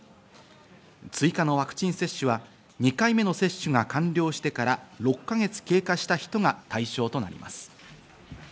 追加のワクチン接種は２回目の接種が完了してから６か月経過した人が対象となります。